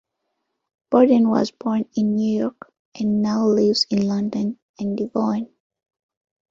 Borden was born in New York and now lives in London and Devon.